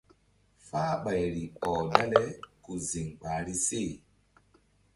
Fahɓayri ɔh dale ku ziŋ ɓahri se.